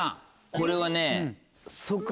これはね。